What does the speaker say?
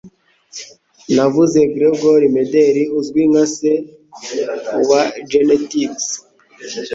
Navuze Gregor Mendel, uzwi nka se wa genetics.